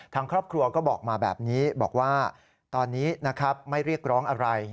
ทางครอบครัวก็บอกมาแบบนี้บอกว่าตอนนี้นะครับไม่เรียกร้องอะไร